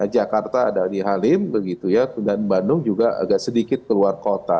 jakarta ada di halim dan bandung juga agak sedikit keluar kota